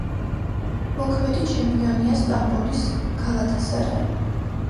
მოქმედი ჩემპიონია სტამბოლის „გალათასარაი“.